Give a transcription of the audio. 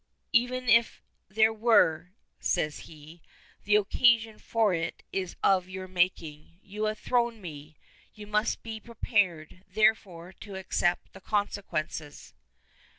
"Even if there were," says he, "the occasion for it is of your making. You have thrown me; you must be prepared, therefore, to accept the consequences."